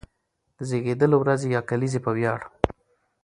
د زېږېدلو ورځې يا کليزې په وياړ،